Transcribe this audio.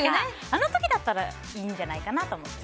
あの時だったらいいんじゃないかなと思って。